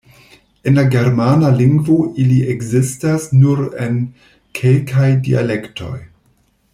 En la Germana lingvo ili ekzistas nur en kelkaj dialektoj.